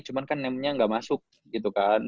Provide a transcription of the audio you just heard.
cuman kan name nya gak masuk gitu kan